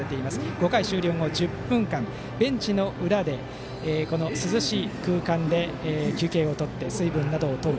５回終了後から１０分間ベンチの裏で涼しい空間で休憩を取って水分などを取る。